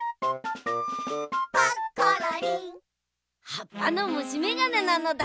はっぱのむしめがねなのだ。